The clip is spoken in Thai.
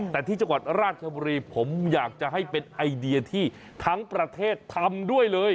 แต่ที่จังหวัดราชบุรีผมอยากจะให้เป็นไอเดียที่ทั้งประเทศทำด้วยเลย